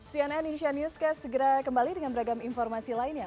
cnn indonesia newscast segera kembali dengan beragam informasi lainnya